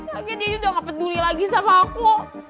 lagian deddy udah gak peduli lagi sama aku